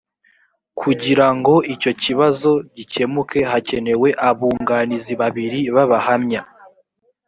kugira ngo icyo kibazo gikemuke hakenewe abunganizi babiri b’abahamya